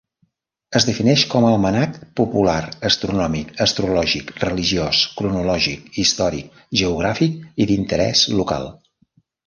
Es defineix com a almanac popular, astronòmic, astrològic, religiós, cronològic, històric, geogràfic i d'interès local.